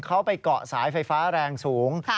เขาไปเกาะสายไฟฟ้าแรงสูง